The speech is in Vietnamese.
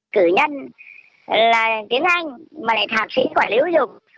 cử nhân là chuyên ngành mà lại thạc sĩ quản lý giáo dục